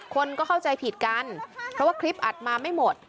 คนก็เข้าใจผิดกันเพราะว่าคลิปอัดมาไม่หมด